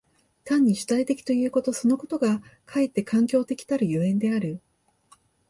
単に主体的ということそのことがかえって環境的たる所以である。